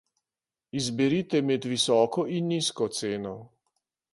Izberite med visoko in nizko ceno.